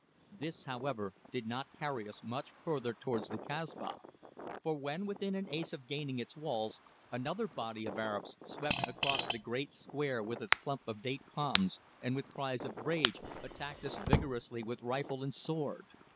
This, however, did not carry us much further towards the Kasbah, for when within an ace of gaining its walls, another body of Arabs swept across the great square with its clump of date palms, and with cries of rage attacked us vigorously with rifle and sword.